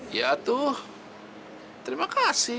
iya tuh terima kasih